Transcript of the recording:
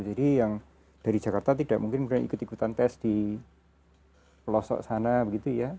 jadi yang dari jakarta tidak mungkin ikut ikutan tes di pelosok sana begitu ya